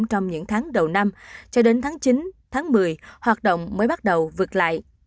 trong những tháng đầu năm cho đến tháng chín tháng một mươi hoạt động mới bắt đầu vượt lại